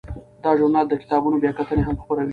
دا ژورنال د کتابونو بیاکتنې هم خپروي.